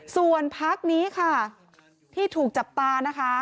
ส่วนพักนี้ค่ะที่ถูกจับตานะคะ